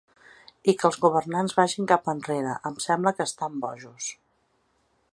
I que els governants vagin cap enrere, em sembla que estan bojos.